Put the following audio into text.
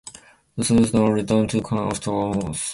The Sultan returned to Kano after one month.